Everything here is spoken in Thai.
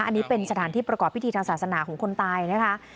อันนี้เป็นสถานที่ประกอบพิธีทางศาสนาของคนตายนะคะ